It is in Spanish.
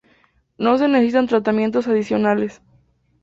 No se necesitan tratamientos adicionales.